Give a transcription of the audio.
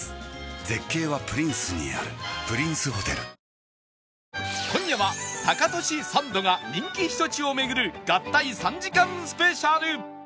キスマイ今夜はタカトシ・サンドが人気避暑地を巡る合体３時間スペシャル